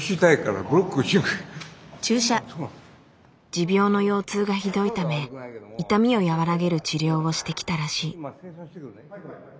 持病の腰痛がひどいため痛みを和らげる治療をしてきたらしい。